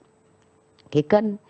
đó là cái cân